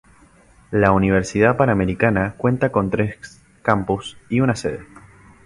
La Universidad Panamericana cuenta con tres campus y una sede.